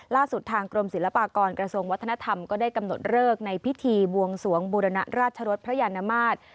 ล่าสุดทางกรมศิลปากรกระทรวงวัฒนธรรมก็ได้กำหนดเลิกในพิธีบวงสวงบุรณราชรสพระยานมาตร